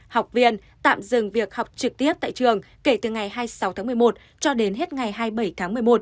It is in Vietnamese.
học viên tạm dừng việc học trực tiếp tại trường kể từ ngày hai mươi sáu tháng một mươi một cho đến hết ngày hai mươi bảy tháng một mươi một